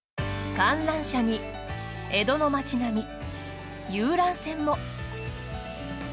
観覧車に、江戸の町並み遊覧船も。